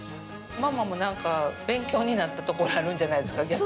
ママも何か勉強になったところあるんじゃないですか？